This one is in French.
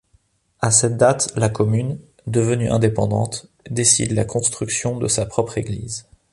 À cette date, la commune, devenue indépendante, décide la construction de sa propre église.